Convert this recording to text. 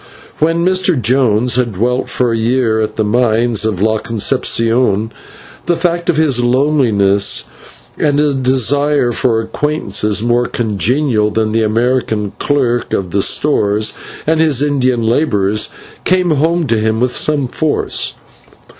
When Mr. Jones had dwelt for a year at the mines of La Concepcion, the fact of his loneliness, and a desire for acquaintances more congenial than the American clerk of the stores and his Indian labourers, came home to him with some force.